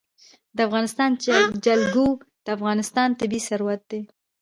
د افغانستان جلکو د افغانستان طبعي ثروت دی.